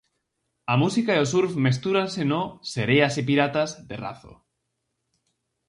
A música e o surf mestúranse no "Sereas e piratas" de Razo.